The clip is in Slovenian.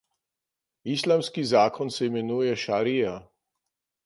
Islamski zakon se imenuje šarija.